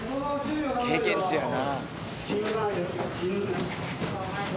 経験値やな。